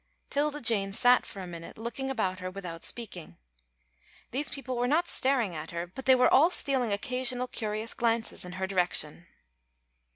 'Tilda Jane sat for a minute looking about her without speaking. These people were not staring at her, but they were all stealing occasional curious glances in her direction.